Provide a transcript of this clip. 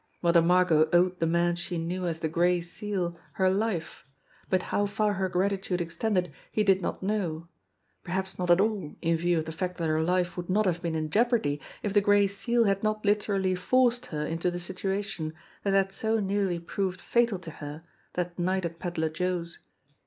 Mother Margot owed the man she knew as the Gray Seal her life, but how far her gratitude extended he did not know perhaps not at all in view of the fact that her life would not have been in jeopardy if the Gray Seal had not literally forced her into the situation that had so nearly proved fatal to her that night at Pedler Joe's